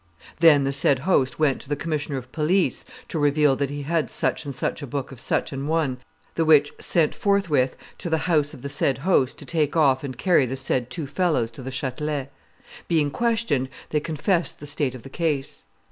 Then the said host went to the commissioner of police to reveal that he had such and such a book of such an one, the which sent forth with to the house of the said host to take and carry off the said two fellows to the Chatelet. Being questioned, they confessed the state of the case.